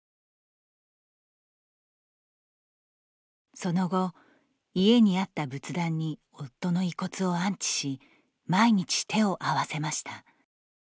その後、家にあった仏壇に夫の遺骨を安置し毎日手を合わせました。